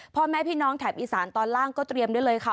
พ่อแม่พี่น้องแถบอีสานตอนล่างก็เตรียมได้เลยค่ะ